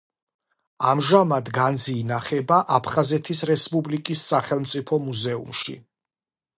ამჟამად განძი ინახება აფხაზეთის რესპუბლიკის სახელმწიფო მუზეუმში.